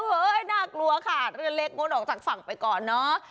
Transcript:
เห้ยน่ากลัวค่ะเล็กมนต์ออกจากฝั่งไปก่อนเนาะ